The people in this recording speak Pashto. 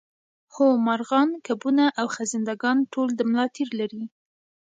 هو مارغان کبونه او خزنده ګان ټول د ملا تیر لري